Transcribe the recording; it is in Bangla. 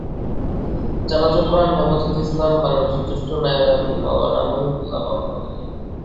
জানাজা পড়ান হেফাজতে ইসলাম বাংলাদেশের জ্যেষ্ঠ নায়েবে আমির মাওলানা মহিবুল্লাহ বাবুনগরী।